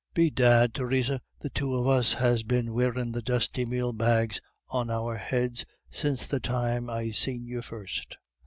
Bedad, Theresa, the two of us has been wearin' the dusty male bags on our heads since the time I seen you first.